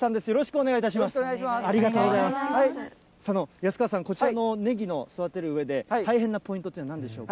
安川さん、こちらのねぎを育てるうえで大変なポイントというのはなんでしょうか。